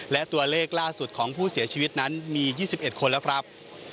และตัวเลขล่าสุดของผู้เสียชีวิตนั้นมี๒๑คนแล้วครับ